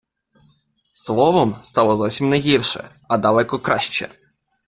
Словом, стало зовсім не гірше, а далеко краще.